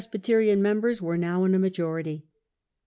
69 byterian members were now in a majority.